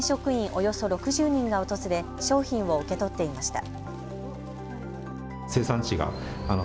およそ６０人が訪れ商品を受け取っていました。